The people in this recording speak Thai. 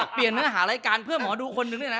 เปลี่ยนเนื้อหารายการเพื่อหมอดูคนนึงด้วยนะ